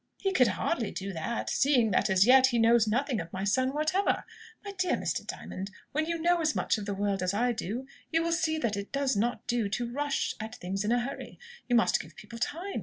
"He could hardly do that, seeing that, as yet, he knows nothing of my son whatever! My dear Mr. Diamond, when you know as much of the world as I do, you will see that it does not do to rush at things in a hurry. You must give people time.